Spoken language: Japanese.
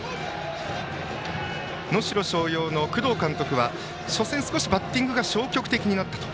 能代松陽の工藤監督は初戦、少しバッティングが消極的になったと。